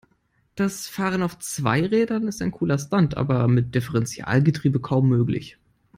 Das Fahren auf zwei Rädern ist ein cooler Stunt, aber mit Differentialgetriebe kaum möglich.